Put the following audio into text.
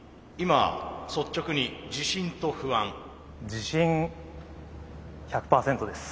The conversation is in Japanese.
自信１００％です。